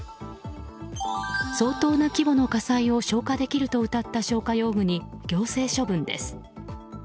相当な規模の火災を消火できるとうたった消火用具に行政処分です。